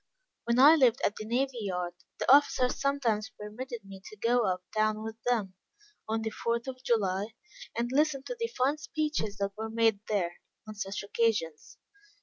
When I lived at the navy yard, the officers sometimes permitted me to go up town with them, on the fourth of July, and listen to the fine speeches that were made there, on such occasions.